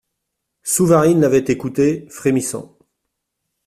Souvarine l'avait écouté, frémissant.